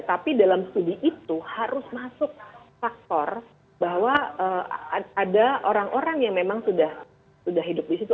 tapi dalam studi itu harus masuk faktor bahwa ada orang orang yang memang sudah hidup di situ